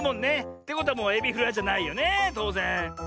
ってことはもうエビフライじゃないよねとうぜん。